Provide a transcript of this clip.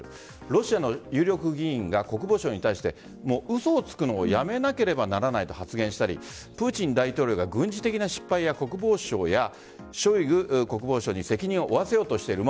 ロシアの有力議員が国防相に対して嘘をつくのをやめなければならないと発言したりプーチン大統領が軍事的な失敗を国防省やショイグ国防相に責任を負わせようとしている。